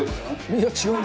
いや違う！